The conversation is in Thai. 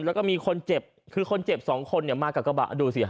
แล้วมีคนเจ็บ๒คนมากับกระบะ